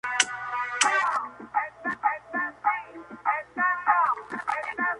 Se trata de la más grande y meridional de las Islas Marianas.